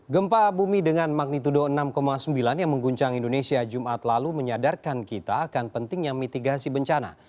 gempa bumi dengan magnitudo enam sembilan yang mengguncang indonesia jumat lalu menyadarkan kita akan pentingnya mitigasi bencana